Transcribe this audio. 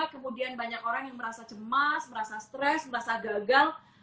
kemudian banyak orang yang merasa cemas merasa stres merasa gagal